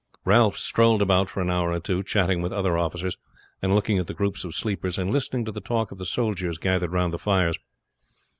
Ralph strolled about for an hour or two, chatting with other officers and looking at the groups of sleepers, and listening to the talk of the soldiers gathered round the fires.